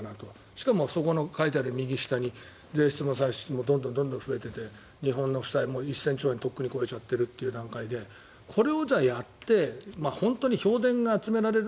しかも右下、そこに書いてる税収も歳出もどんどん増えていて日本の負債、１０００兆円とっくに超えちゃってるという中でこれをやって本当に票田が集められる。